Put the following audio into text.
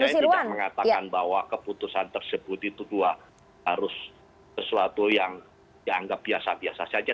saya tidak mengatakan bahwa keputusan tersebut itu dua harus sesuatu yang dianggap biasa biasa saja